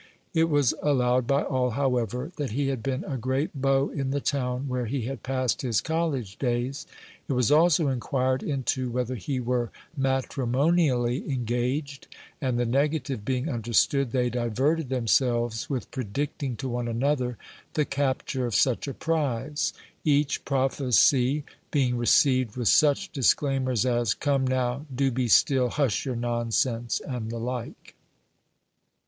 It was allowed by all, however, that he had been a great beau in the town where he had passed his college days. It was also inquired into whether he were matrimonially engaged; and the negative being understood, they diverted themselves with predicting to one another the capture of such a prize; each prophecy being received with such disclaimers as "Come now!" "Do be still!" "Hush your nonsense!" and the like.